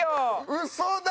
ウソだ！